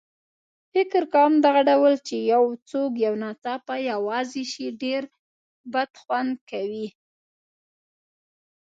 فکر کوم دغه ډول چې یو څوک یو ناڅاپه یوازې شي ډېر بدخوند کوي.